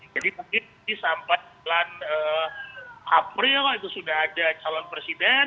jadi sampai bulan april itu sudah ada calon presiden